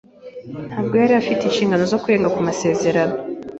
Ntabwo yari afite inshingano zo kurenga ku masezerano.